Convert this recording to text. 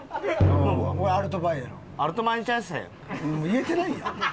言えてないやん。